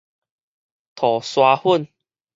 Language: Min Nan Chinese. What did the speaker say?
塗沙粉